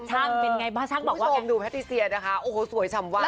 แต่ใดนะคะแพทย์เซียคือสวยมาก